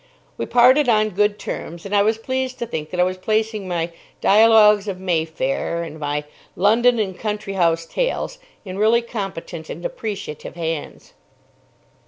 We parted on good terms, and I was pleased to think that I was placing my "Dialogues of Mayfair" and my "London and Country House Tales" in really competent and appreciative hands.